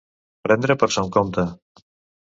Prendre per son compte.